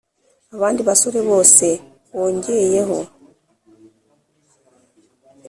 'abandi basore bose wongeyeho